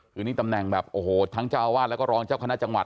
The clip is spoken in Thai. คือนี่ตำแหน่งแบบโอ้โหทั้งเจ้าอาวาสแล้วก็รองเจ้าคณะจังหวัด